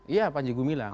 iya panjigu milang